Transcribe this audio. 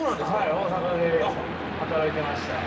大阪で働いてました。